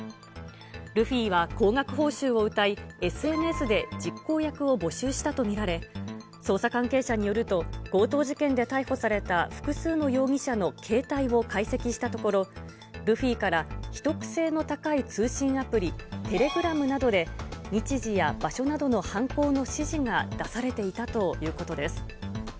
ルフィは高額報酬をうたい、ＳＮＳで実行役を募集したと見られ、捜査関係者によると、強盗事件で逮捕された複数の容疑者の携帯を解析したところ、ルフィから秘匿性の高い通信アプリ、テレグラムなどで日時や場所などの犯行の指示が出されていたということです。